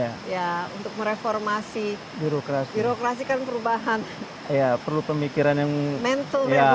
ya untuk mereformasi birokrasi birokrasi kan perubahan ya perlu pemikiran yang mental ya